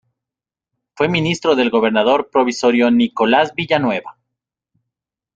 Fue ministro del gobernador provisorio Nicolás Villanueva.